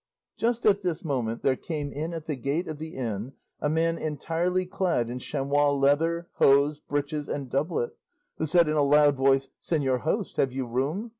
Just at this moment there came in at the gate of the inn a man entirely clad in chamois leather, hose, breeches, and doublet, who said in a loud voice, "Señor host, have you room?